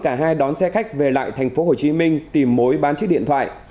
cả hai đón xe khách về lại tp hcm tìm mối bán chiếc điện thoại